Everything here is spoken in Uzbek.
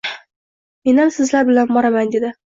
— Menam sizlar bilan boraman, — dedi.